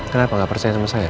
kenapa nggak percaya sama saya